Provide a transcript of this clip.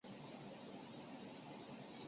为晚会设计了新的装饰和舞台。